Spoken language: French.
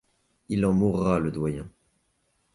Il en mourra le doyen.